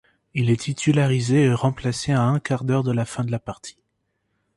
Il est titularisé et remplacé à un quart-d'heure de la fin de la partie.